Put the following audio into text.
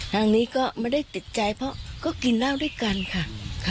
ทางนี้ก็ไม่ได้ติดใจเพราะก็กินเหล้าด้วยกันค่ะ